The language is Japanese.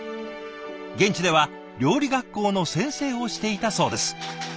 現地では料理学校の先生をしていたそうです。